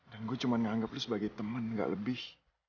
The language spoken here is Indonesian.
dan gue cuma menganggap lo sebagai temen gak lebih